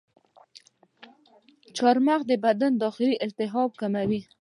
چارمغز د بدن داخلي التهابات کموي.